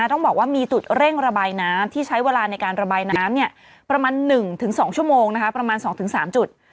ต้องบอกว่ามีจุดเร่งระบายน้ำที่ใช้เวลาในการระบายน้ำประมาณ๑๒ชั่วโมงประมาณ๒๓จุด